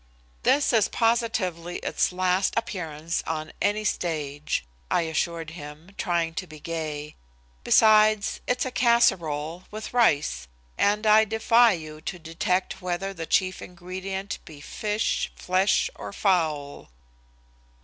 "This is positively its last appearance on any stage," I assured him, trying to be gay. "Besides, it's a casserole, with rice, and I defy you to detect whether the chief ingredient be fish, flesh or fowl."